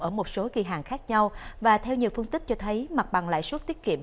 ở một số kỳ hàng khác nhau và theo nhiều phân tích cho thấy mặt bằng lãi suất tiết kiệm